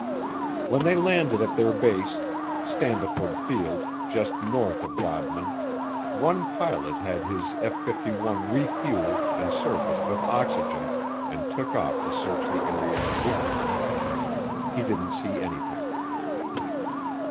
When they landed at their base, Standiford Field, just north of Godman, one pilot had his F 51 refueled and serviced with oxygen, and took off to search the area again. He didn't see anything.